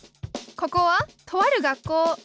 ここはとある学校。